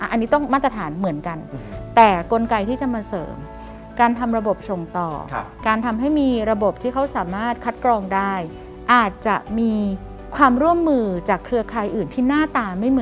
อันนี้ต้องมาตรฐานเหมือนกันแต่กลไกที่เขามาเสริมการทำระบบทรงต่อ